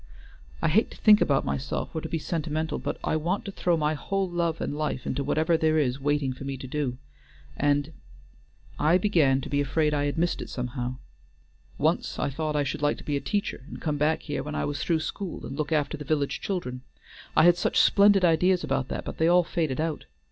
"I hate to talk about myself or to be sentimental, but I want to throw my whole love and life into whatever there is waiting for me to do, and I began to be afraid I had missed it somehow. Once I thought I should like to be a teacher, and come back here when I was through school and look after the village children. I had such splendid ideas about that, but they all faded out.